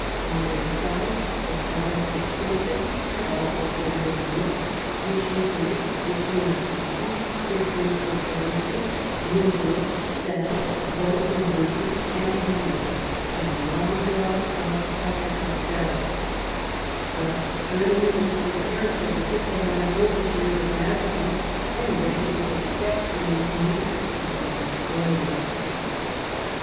On their side the Protestant princes had also formed a League, which in cluded the King of Swed'^u, the Dukes of Brunswick, Limburg, Zell, Wolfenbiittel, and Hanover, and the VIII THE LEAGUE OF THE RHINE 189 Landgrave of Hesse Cassel. Thus Germany was pre pared for the diplomatic overtures of Mazarin, and ready to take steps to maintain the Peace of Westphalia.